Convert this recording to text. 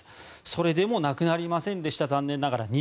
それでもなくなりませんでした残念ながら。